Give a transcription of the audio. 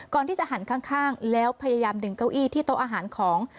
ก่อนที่จะหันข้างแล้วพยายามดึงเก้าอี้ที่โต๊ะอาหารของ